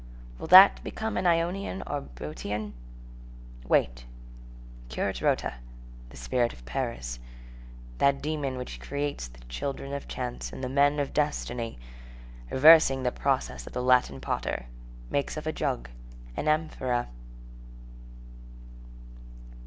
Will that become an Ionian or a Bœotian? Wait, currit rota, the Spirit of Paris, that demon which creates the children of chance and the men of destiny, reversing the process of the Latin potter, makes of a jug an amphora.